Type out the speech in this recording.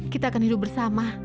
kita akan hidup padamu